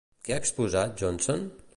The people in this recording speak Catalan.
Què ha expressat Johnson?